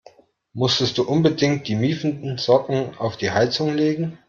Musstest du unbedingt die miefenden Socken auf die Heizung legen?